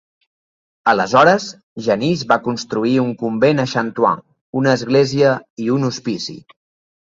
Aleshores, Genís va construir un convent a Chantoin, una església i un hospici.